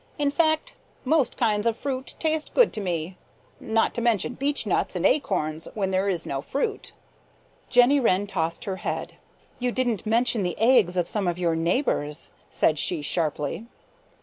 In fact most kinds of fruit taste good to me, not to mention beechnuts and acorns when there is no fruit." Jenny Wren tossed her head. "You didn't mention the eggs of some of your neighbors," said she sharply.